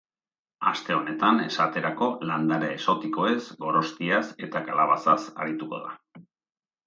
Aste honetan, esaterako, landare exotikoez, gorostiaz eta kalabazaz arituko da.